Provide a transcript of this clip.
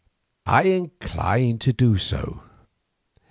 "I incline to do so."